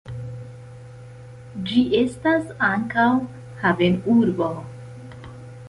Ĝi estas ankaŭ havenurbo.